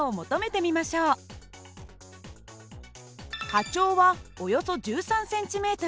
波長はおよそ１３ｃｍ。